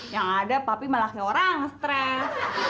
yang ada papi malah ke orang stres